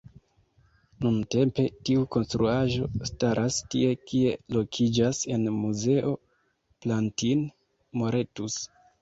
Nuntempe, tiu konstruaĵo staras tie kie lokiĝas la Muzeo Plantin-Moretus.